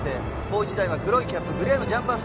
もう一台は黒いキャップグレーのジャンパー